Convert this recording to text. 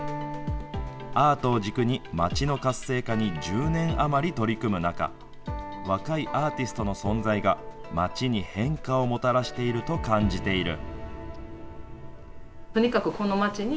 アートを軸に、街の活性化に１０年余り取り組む中、若いアーティストの存在が街に変化をもたらしていると感じている。